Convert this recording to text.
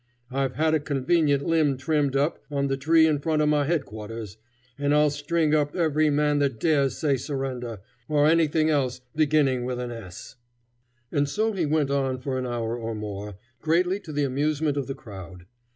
I've had a convenient limb trimmed up, on the tree in front of my head quarters, and I'll string up every man that dares say surrender, or anything else beginning with an s." And so he went on for an hour or more, greatly to the amusement of the crowd.